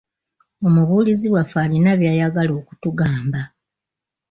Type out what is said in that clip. Omubuuzi waffe alina by'ayagala okutugamba.